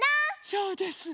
そうです！